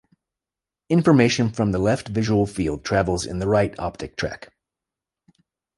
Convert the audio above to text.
Information from the left "visual field" travels in the right optic tract.